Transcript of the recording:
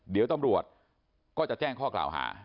เดี๋ยวตำรวจก็จะแจ้งข้อกล่าวหา